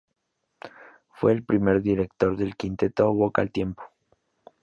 Fue el primer director del Quinteto Vocal Tiempo.